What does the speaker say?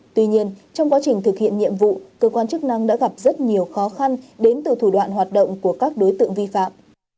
tuy nhiên trong quá trình thực hiện nhiệm vụ cơ quan chức năng đã gặp rất nhiều khó khăn đến từ thủ đoạn hoạt động của các đối tượng vi phạm